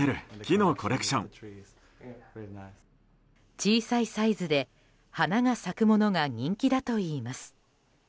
小さいサイズで花が咲くものが人気だといいます。